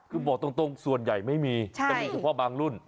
คือบอกตรงส่วนใหญ่ไม่มีแต่นี่คือบางรุ่น